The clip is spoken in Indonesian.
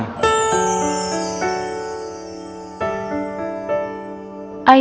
masih sakit kepalanya